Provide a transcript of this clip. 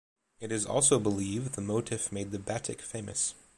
It is also believe the motif made the batik famous.